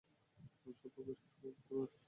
আমি সম্পর্ক শেষ করে দিতে পছন্দ করি।